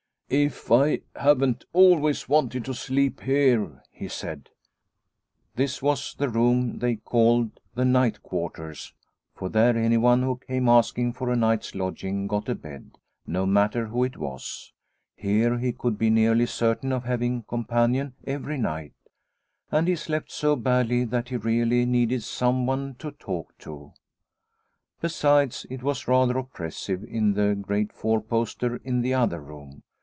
" If I haven't always wanted to sleep here !" he said. This was the room they called the " night quarters," for there anyone who came asking for a night's lodging got a bed, no matter who it was. Here he could be nearly certain of having a companion every night, and he slept so badly that he really needed someone to talk to. Besides, it was rather oppressive in the great four poster in the other room.